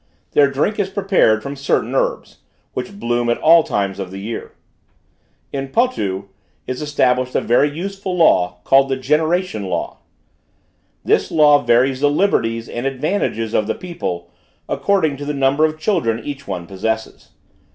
Their drink is prepared from certain herbs, which bloom at all times of the year. In Potu is established a very useful law called the "generation law." This law varies the liberties and advantages of the people according to the number of children each one possesses.